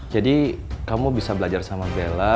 jadi kamu bisa belajar sama bella